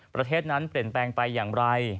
ประเทศนั้นเปลี่ยนแปลงไปอย่างไร